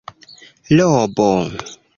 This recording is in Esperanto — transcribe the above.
robo